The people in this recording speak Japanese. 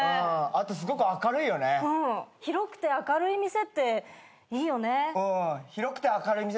広くて明るい店って何かすごくいいよね。